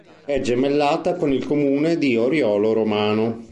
È gemellato con il Comune di Oriolo Romano.